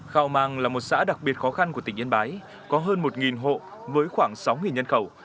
khao mang là một xã đặc biệt khó khăn của tỉnh yên bái có hơn một hộ với khoảng sáu nhân khẩu